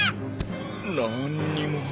なーんにも。